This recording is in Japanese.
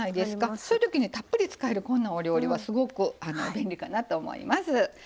そういうときたっぷり使えるこんなお料理はすごく便利かなと思います。